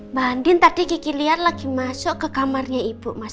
mbak andin tadi gigi liar lagi masuk ke kamarnya ibu mas